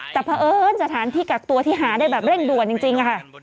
แต่เพราะเอิญสถานที่กักตัวที่หาได้แบบเร่งด่วนจริงค่ะ